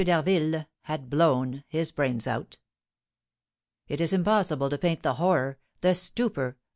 d'Harville had blown his brains out. It is impossible to paint the horror, the stupor, of M.